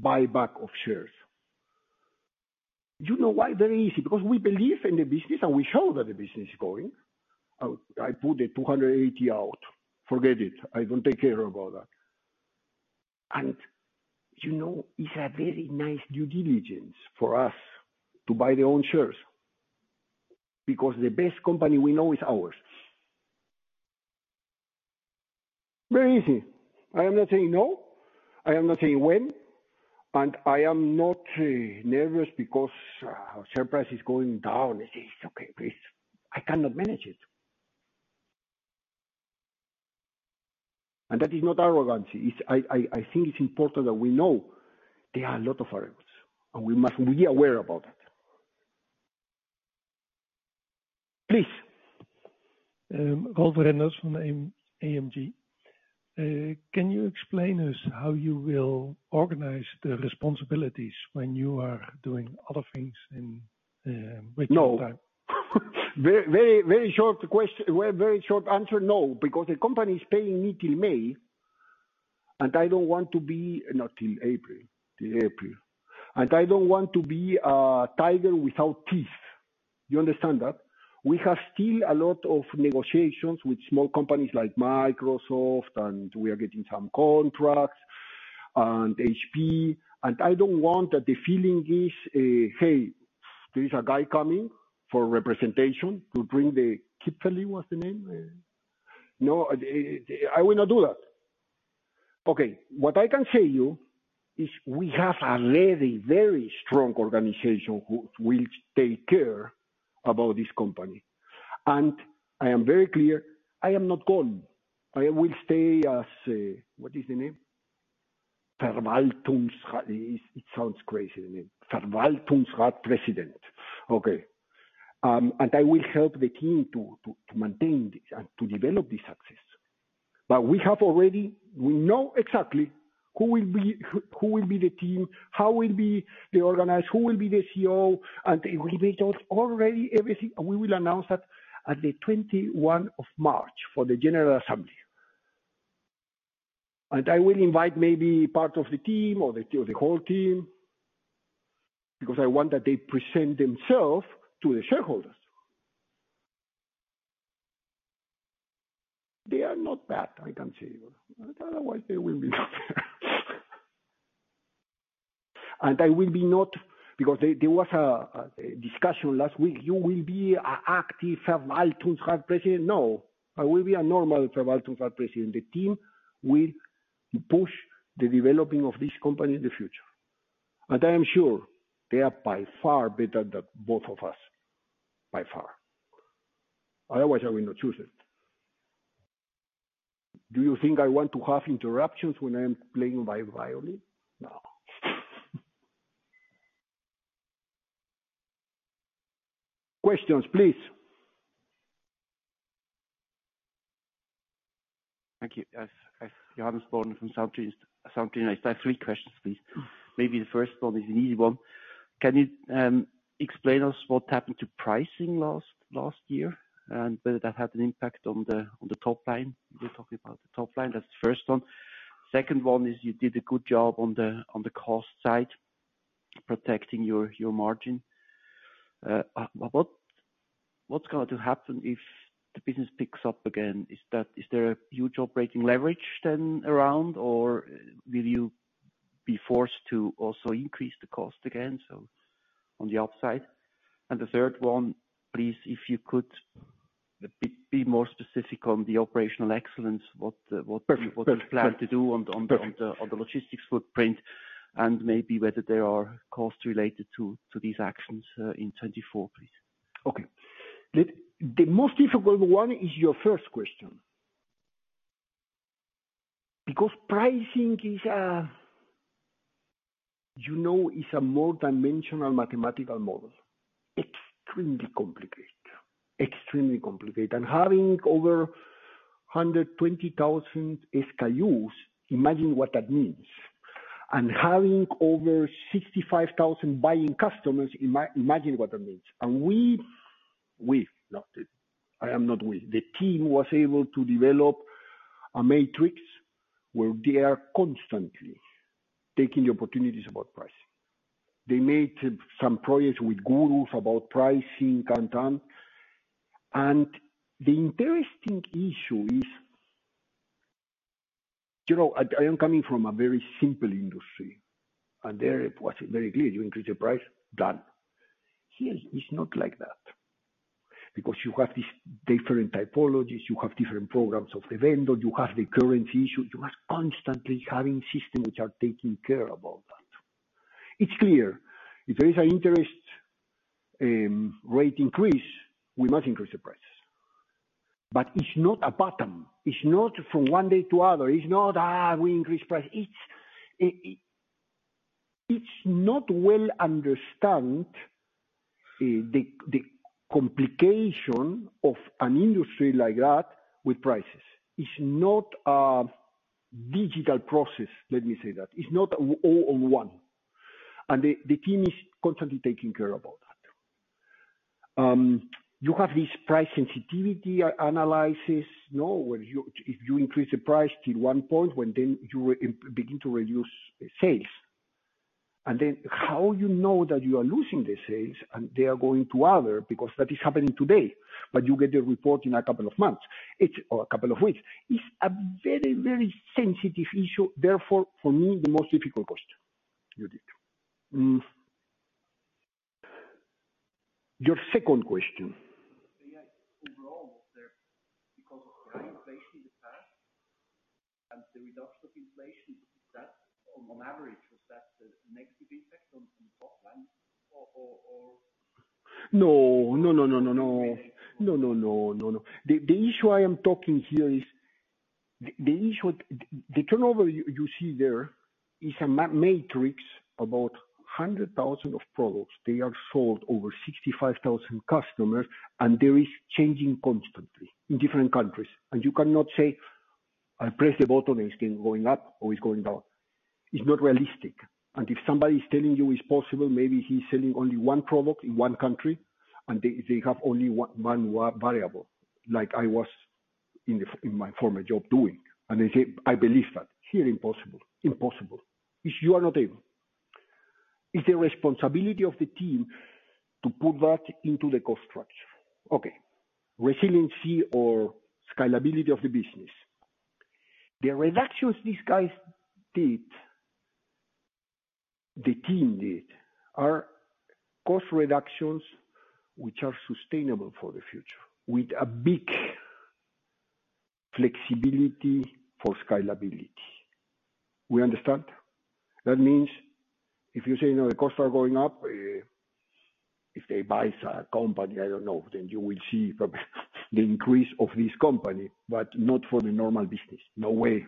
buyback of shares. You know why? Very easy because we believe in the business and we show that the business is going. I put the 280 out. Forget it. I don't take care about that. And it's a very nice due diligence for us to buy the own shares because the best company we know is ours. Very easy. I am not saying no. I am not saying when. I am not nervous because share price is going down. It's okay. Please. I cannot manage it. That is not arrogance. I think it's important that we know there are a lot of variables. We must be aware about that. Please. Gaudenz Ender from Vontobel. Can you explain to us how you will organize the responsibilities when you are doing other things with your time? No. Very, very short answer. No, because the company is paying me till May. I don't want to be not till April. Till April. I don't want to be a tiger without teeth. You understand that? We have still a lot of negotiations with small companies like Microsoft. We are getting some contracts and HP. I don't want that the feeling is, "Hey, there is a guy coming for representation to bring the Gipfeli was the name? No, I will not do that. Okay. What I can say you is we have already very strong organization who will take care about this company. And I am very clear. I am not gone. I will stay as what is the name? Verwaltungsrat. It sounds crazy, the name. Verwaltungsrat President. Okay. And I will help the team to maintain and to develop this success. But we have already we know exactly who will be the team, how will be the organized, who will be the CEO. And we made already everything. And we will announce that at the 21st of March for the general assembly. And I will invite maybe part of the team or the whole team because I want that they present themselves to the shareholders. They are not bad, I can say. Otherwise, they will be not bad. And I will be not because there was a discussion last week. You will be an active Verwaltungsrat president? No. I will be a normal Verwaltungsrat president. The team will push the developing of this company in the future. And I am sure they are by far better than both of us, by far. Otherwise, I will not choose it. Do you think I want to have interruptions when I am playing my violin? No. Questions, please. Thank you. Johannes Braun from Stifel. I have three questions, please. Maybe the first one is an easy one. Can you explain to us what happened to pricing last year and whether that had an impact on the top line? You're talking about the top line. That's the first one. Second one is you did a good job on the cost side, protecting your margin. What's going to happen if the business picks up again? Is there a huge operating leverage then around, or will you be forced to also increase the cost again, so on the upside? And the third one, please, if you could be more specific on the operational excellence, what you plan to do on the logistics footprint and maybe whether there are costs related to these actions in 2024, please. Okay. The most difficult one is your first question because pricing is a more dimensional mathematical model, extremely complicated. Extremely complicated. And having over 120,000 SKUs, imagine what that means. And having over 65,000 buying customers, imagine what that means. And we not. I am not we. The team was able to develop a matrix where they are constantly taking the opportunities about pricing. They made some projects with gurus about pricing and ton. The interesting issue is I am coming from a very simple industry. There it was very clear. You increase the price, done. Here, it's not like that because you have these different typologies. You have different programs of the vendor. You have the currency issue. You are constantly having systems which are taking care about that. It's clear. If there is an interest rate increase, we must increase the prices. But it's not a bottom. It's not from one day to other. It's not, "we increased price." It's not well understood the complication of an industry like that with prices. It's not a digital process. Let me say that. It's not all on one. And the team is constantly taking care about that. You have this price sensitivity analysis where if you increase the price till one point, then you begin to reduce sales. And then how you know that you are losing the sales and they are going to other because that is happening today, but you get the report in a couple of months or a couple of weeks. It's a very, very sensitive issue. Therefore, for me, the most difficult question. You did. Your second question. AI overall, was there because of high inflation in the past and the reduction of inflation, on average, was that the negative impact on the top line or? No. No, no, no, no, no. No, no, no, no, no. The issue I am talking here is the issue the turnover you see there is a matrix about 100,000 of products. They are sold over 65,000 customers. And there is changing constantly in different countries. And you cannot say, "I press the button and it's going up or it's going down." It's not realistic. If somebody is telling you it's possible, maybe he's selling only one product in one country. They have only one variable like I was in my former job doing. They say, "I believe that." Here, impossible. Impossible. You are not able. It's the responsibility of the team to put that into the cost structure. Okay. Resiliency or scalability of the business. The reductions these guys did, the team did, are cost reductions which are sustainable for the future with a big flexibility for scalability. We understand? That means if you say, "The costs are going up," if they buy a company, I don't know, then you will see the increase of this company, but not for the normal business. No way.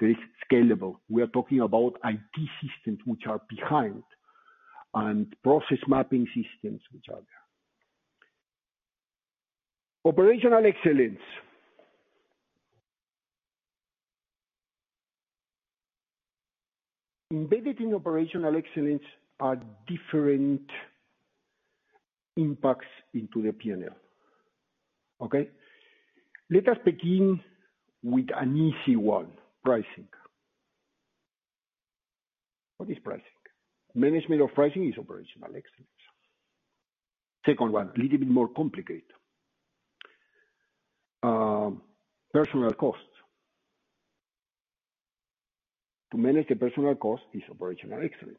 They're scalable. We are talking about IT systems which are behind and process mapping systems which are there. Operational Excellence. Embedded in operational excellence are different impacts into the P&L. Okay? Let us begin with an easy one, pricing. What is pricing? Management of pricing is operational excellence. Second one, a little bit more complicated. Personal costs. To manage the personal costs is operational excellence.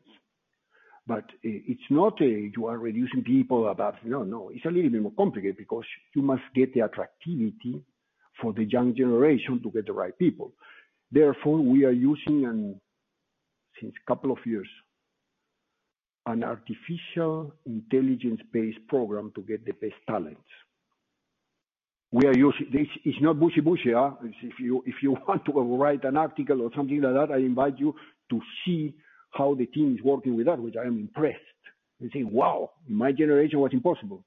But it's not you are reducing people above. No, no. It's a little bit more complicated because you must get the attractivity for the young generation to get the right people. Therefore, we are using since a couple of years an artificial intelligence-based program to get the best talents. It's not wishy-washy. If you want to write an article or something like that, I invite you to see how the team is working with that, which I am impressed. You say, "Wow. In my generation, it was impossible.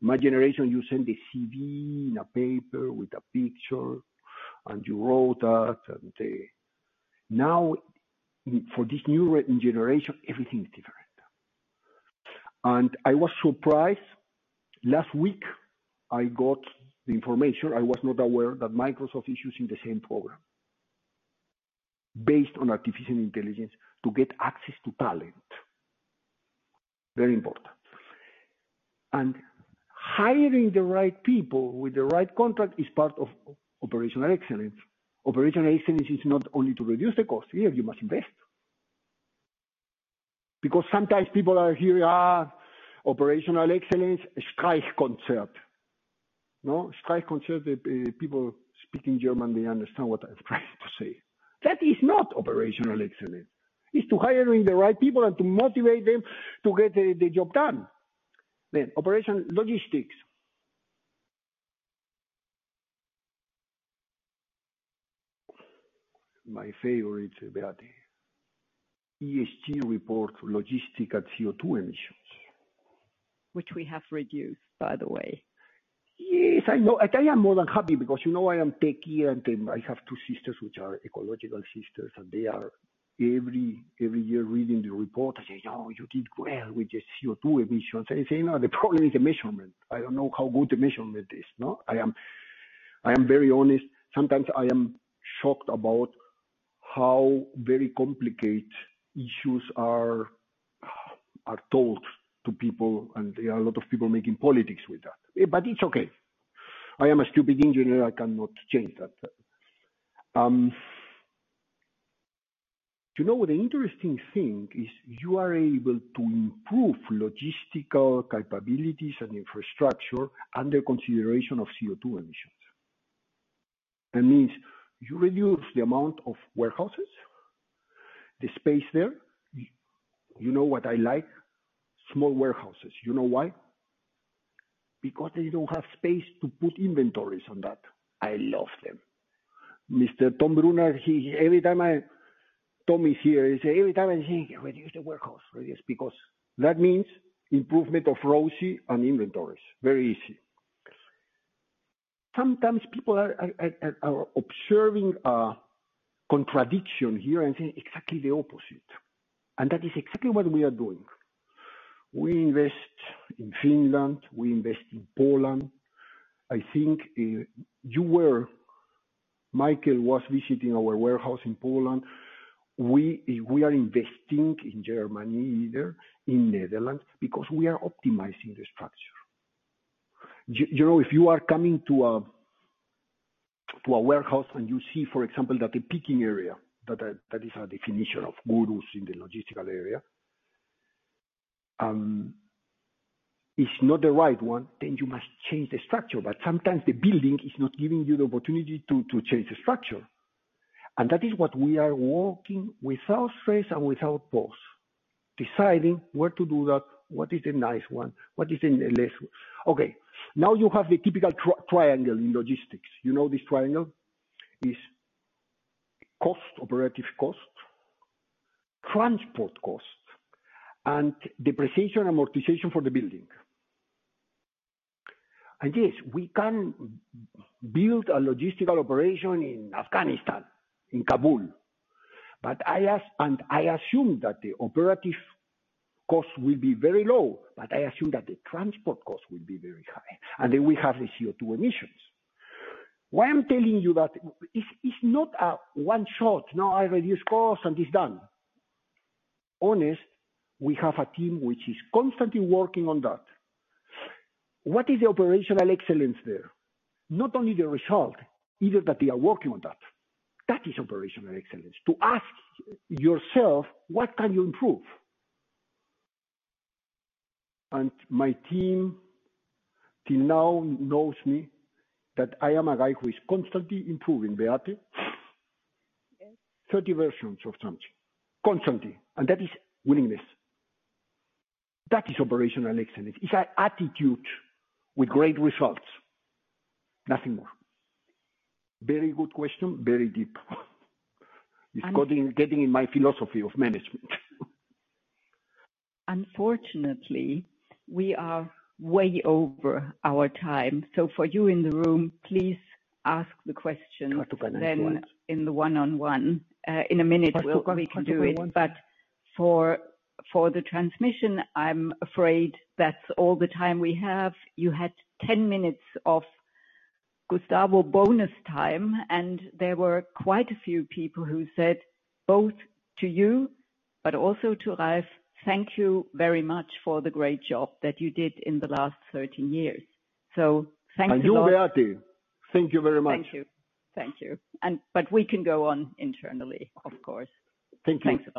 In my generation, you sent the CV in a paper with a picture. And you wrote that." Now, for this new generation, everything is different. I was surprised. Last week, I got the information. I was not aware that Microsoft is using the same program based on artificial intelligence to get access to talent. Very important. Hiring the right people with the right contract is part of operational excellence. Operational excellence is not only to reduce the cost. Here, you must invest because sometimes people are hearing, operational excellence, Streichkonzert." No. Streichkonzert, people speaking German, they understand what I'm trying to say. That is not operational excellence. It's to hire the right people and to motivate them to get the job done. Then logistics. My favorite, Beate. ESG report logistics and CO2 emissions. Which we have reduced, by the way. Yes. I am more than happy because I am techie and I have two sisters which are ecological sisters. They are every year reading the report. They say, "No. You did well with the CO2 emissions." I say, "No. The problem is the measurement. I don't know how good the measurement is." No. I am very honest. Sometimes I am shocked about how very complicated issues are told to people. And there are a lot of people making politics with that. But it's okay. I am a stupid engineer. I cannot change that. The interesting thing is you are able to improve logistical capabilities and infrastructure under consideration of CO2 emissions. That means you reduce the amount of warehouses, the space there. You know what I like? Small warehouses. You know why? Because they don't have space to put inventories on that. I love them. Mr. Tom Brunner, every time Tom is here, he says, "Every time I say, 'Reduce the warehouse,' reduce because that means improvement of ROCE and inventories. Very easy." Sometimes people are observing a contradiction here and saying exactly the opposite. That is exactly what we are doing. We invest in Finland. We invest in Poland. I think Michael was visiting our warehouse in Poland. We are investing in Germany either, in Netherlands because we are optimizing the structure. If you are coming to a warehouse and you see, for example, that the picking area that is a definition of gurus in the logistical area is not the right one, then you must change the structure. But sometimes the building is not giving you the opportunity to change the structure. And that is what we are working without stress and without pause, deciding where to do that, what is the nice one, what is the less one. Okay. Now you have the typical triangle in logistics. You know this triangle? It's operative cost, transport cost, and depreciation amortization for the building. And yes, we can build a logistical operation in Afghanistan, in Kabul. And I assume that the operative cost will be very low. But I assume that the transport cost will be very high. And then we have the CO2 emissions. Why I'm telling you that it's not a one-shot. "No. I reduce costs, and it's done." Honestly, we have a team which is constantly working on that. What is the operational excellence there? Not only the result, either that they are working on that. That is operational excellence, to ask yourself, "What can you improve?" And my team till now knows me that I am a guy who is constantly improving, Beate. 30 versions of something, constantly. And that is willingness. That is operational excellence. It's an attitude with great results. Nothing more. Very good question. Very deep. It's getting in my philosophy of management. Unfortunately, we are way over our time. So for you in the room, please ask the question then in the one-on-one. In a minute, we can do it. But for the transmission, I'm afraid that's all the time we have. You had 10 minutes of Gustavo bonus time. And there were quite a few people who said both to you but also to Ralph, "Thank you very much for the great job that you did in the last 13 years." So thank you so much. And you, Beate. Thank you very much. Thank you. Thank you. But we can go on internally, of course. Thank you.